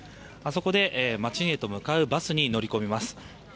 あそこで街へと向かうバスに乗り込みます。